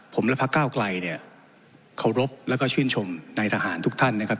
ผมและพระเก้าไกลเนี่ยเคารพแล้วก็ชื่นชมในทหารทุกท่านนะครับ